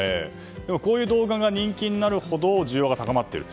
でも、こういう動画が人気になるほど需要が高まっていると。